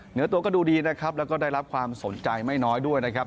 เหนือตัวก็ดูดีนะครับแล้วก็ได้รับความสนใจไม่น้อยด้วยนะครับ